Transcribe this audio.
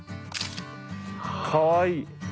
かわいい！